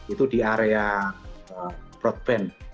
itu di area broadband